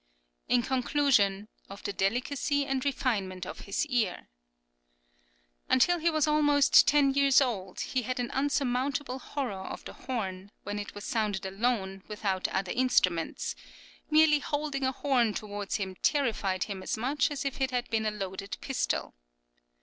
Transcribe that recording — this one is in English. In conclusion: Of the delicacy and refinement of his ear. Until he was almost ten years old, he had an insurmountable horror of the horn, when it was sounded alone, without other instruments; merely holding a horn towards him terrified him as much as if it had been a loaded pistol.